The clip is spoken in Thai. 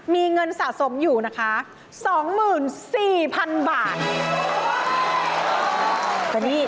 มีเงินสะสมอยู่นะคะ๒๔๐๐๐บาท